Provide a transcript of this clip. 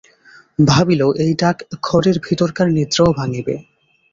ভাবিল, এই ডাকে ঘরের ভিতরকার নিদ্রাও ভাঙিবে।